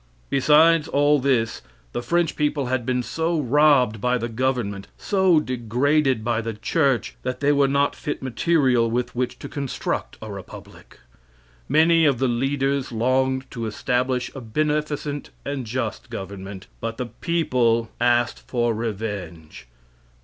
Besides all this, the French people had been so robbed by the government, so degraded by the church, that they were not fit material with which to construct a republic. Many of the leaders longed to establish a beneficent and just government, but the people asked for revenge.